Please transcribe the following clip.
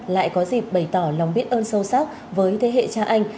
lại có dịp bày tỏ lòng biết ơn sâu sắc với thế hệ cha anh